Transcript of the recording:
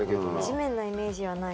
地面のイメージはない。